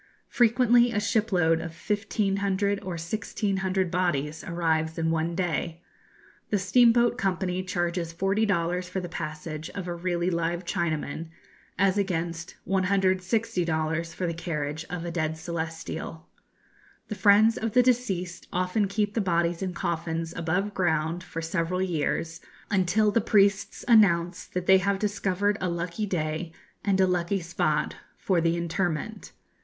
Frequently a shipload of 1,500 or 1,600 bodies arrives in one day. The Steamboat Company charges 40 dollars for the passage of a really live Chinaman, as against 160 dollars for the carriage of a dead celestial. The friends of the deceased often keep the bodies in coffins above ground for several years, until the priests announce that they have discovered a lucky day and a lucky spot for the interment.